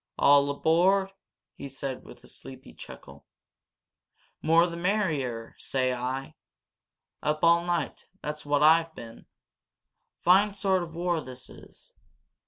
"All aboard!" he said, with a sleepy chuckle. "More the merrier, say I! Up all night that's what I've been! Fine sort of war this is?